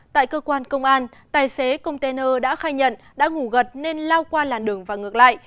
tại cơ quan công an tài xế container đã khai nhận đã ngủ gật nên lao qua làn đường và ngược lại